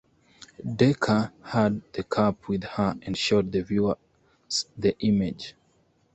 Decker had the cup with her and showed the viewers the image.